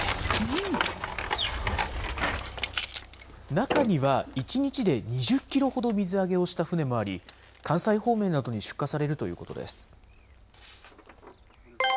中には、１日で２０キロほど水揚げをした船もあり、関西方面などに出荷されるということです。